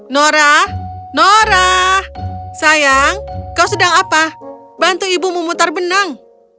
nora nora sayang kau sedang apa bantu ibu memutar benang